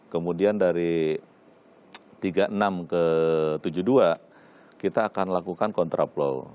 kemudian dari tiga puluh enam ke tujuh puluh dua kita akan lakukan kontraplow